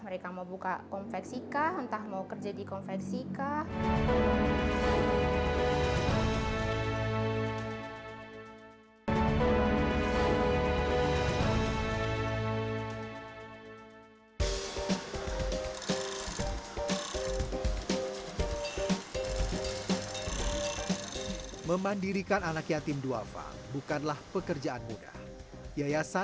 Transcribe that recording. terima kasih parties materials